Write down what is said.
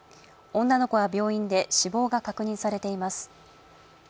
女の子は病院で死亡が確認されています。